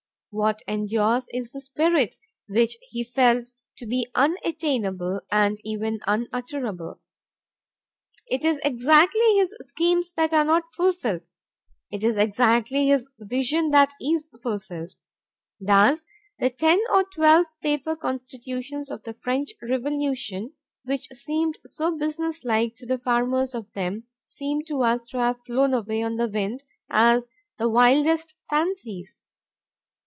What endures is the spirit, which he felt to be unattainable and even unutterable. It is exactly his schemes that are not fulfilled; it is exactly his vision that is fulfilled. Thus the ten or twelve paper constitutions of the French Revolution, which seemed so business like to the framers of them, seem to us to have flown away on the wind as the wildest fancies.